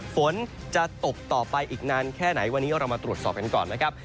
ฝนจะตกต่อไปอีกนานแค่ไหนวันนี้เรามาตรวจสอบกันก่อนนะครับ